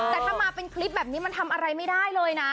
แต่ถ้ามาเป็นคลิปแบบนี้มันทำอะไรไม่ได้เลยนะ